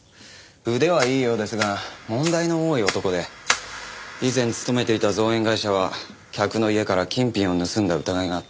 腕はいいようですが問題の多い男で以前勤めていた造園会社は客の家から金品を盗んだ疑いがあって解雇を。